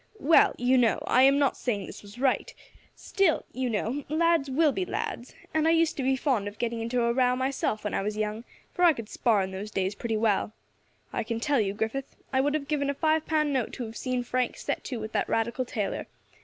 Well, you know, I am not saying this was right; still, you know, lads will be lads, and I used to be fond of getting into a row myself when I was young, for I could spar in those days pretty well, I can tell you, Griffith. I would have given a five pound note to have seen Frank set to with that Radical tailor.